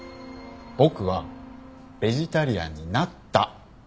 僕はベジタリアンになった。